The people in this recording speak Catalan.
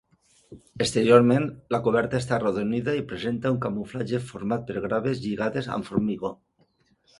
Exteriorment, la coberta està arrodonida i presenta un camuflatge format per graves lligades amb formigó.